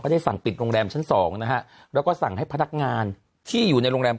ได้สั่งปิดโรงแรมชั้นสองนะฮะแล้วก็สั่งให้พนักงานที่อยู่ในโรงแรม